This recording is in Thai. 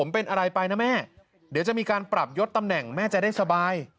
เป็นอะไรไปนะแม่เดี๋ยวจะมีการปรับยศตำแหน่งแม่จะได้สบาย